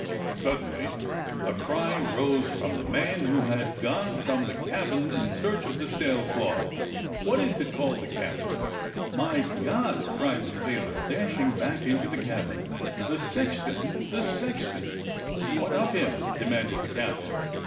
Suddenly a cry arose from the man who had gone from the cabin in search of the sailcloth. " What is it.^ " called the captain. "My God!" cried the sailor, dashing back into the cabin, "the sexton ! the sexton !" 296 DOCTOR SYN "What of him? " demanded the captain.